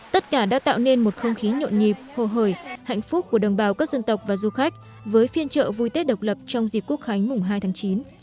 tất cả đã tạo nên một không khí nhộn nhịp hồ hởi hạnh phúc của đồng bào các dân tộc và du khách với phiên chợ vui tết độc lập trong dịp quốc khánh mùng hai tháng chín